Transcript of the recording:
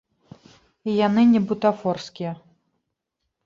І яны не бутафорскія.